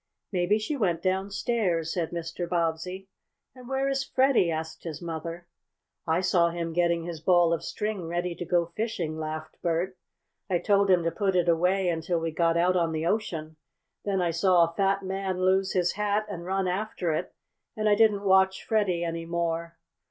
"Maybe she went downstairs," said Mr. Bobbsey. "And where is Freddie?" asked his mother. "I saw him getting his ball of string ready to go fishing," laughed Bert. "I told him to put it away until we got out on the ocean. Then I saw a fat man lose his hat and run after it and I didn't watch Freddie any more."